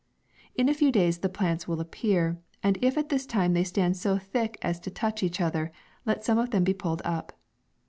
In a few days the plants will appear, and if at this time they stand so thick as to touch each other, let some of them be pulled up.